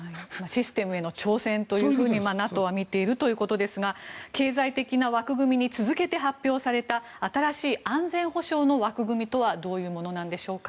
システムへの挑戦とＮＡＴＯは見ていると経済的な枠組みに続けて発表された新しい安全保障の枠組みとはどういうものでしょう。